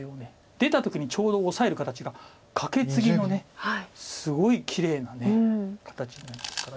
出た時にちょうどオサえる形がカケツギのすごいきれいな形になりますから。